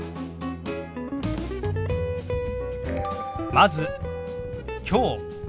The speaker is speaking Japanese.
まず「きょう」。